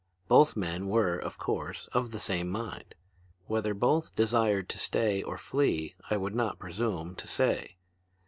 Both men were, of course, of the same mind. Whether both desired to stay or flee I would not presume to say.